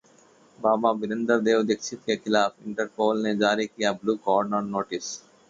बाबा वीरेंद्र देव दीक्षित के खिलाफ इंटरपोल ने जारी किया ब्लू कॉर्नर नोटिस